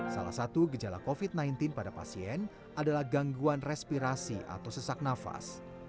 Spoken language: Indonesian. salah satu gejala covid sembilan belas pada pasien adalah gangguan respirasi atau sesak nafas